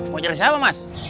mau cari siapa mas